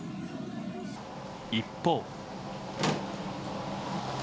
一方。